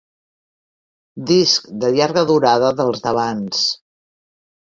Disc de llarga durada dels d'abans.